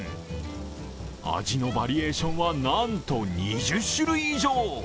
味のバリエーションは、なんと２０種類以上。